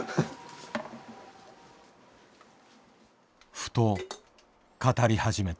ふと語り始めた。